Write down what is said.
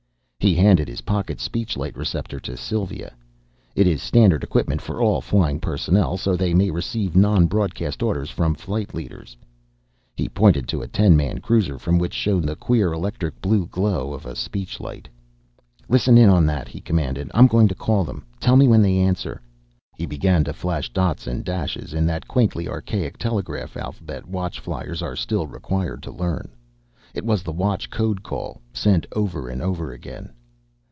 He handed his pocket speech light receptor to Sylva. It is standard equipment for all flying personnel, so they may receive non broadcast orders from flight leaders. He pointed to a ten man cruiser from which shone the queer electric blue glow of a speech light. "Listen in on that," he commanded. "I'm going to call them. Tell me when they answer." He began to flash dots and dashes in that quaintly archaic telegraph alphabet Watch fliers are still required to learn. It was the Watch code call, sent over and over again.